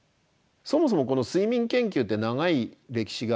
そもそもこの睡眠研究って長い歴史があるんですね。